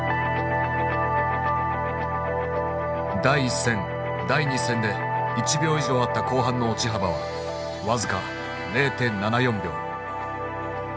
第１戦第２戦で１秒以上あった後半の落ち幅は僅か０．７４秒。